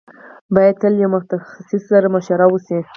بايد تل له يوه متخصص سره مشوره وشي.